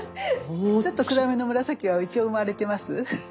ちょっと暗めの紫は一応生まれてます？